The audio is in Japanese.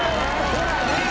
ほらね！